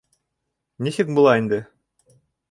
Нисек була инде?